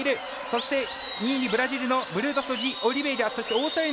そして、２位にブラジルのブルートスジオリベイラ。